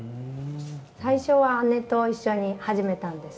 最初は姉と一緒に始めたんです。